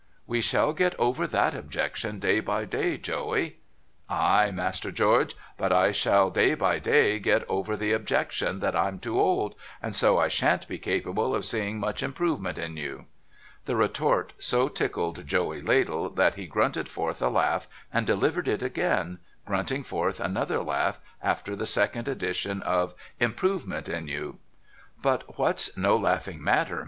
' We shall get over that objection day by day, Joey.' ' Ay, Master George ; but I shall day by day get over the objection that I'm too old, and so I shan't be capable of seeing much improvement in you.' The retort so tickled Joey Ladle that he grunted forth a laugh and delivered it again, grunting forth another laugh after the second edition of ' improvement in you.' ' But what's no laughing matter.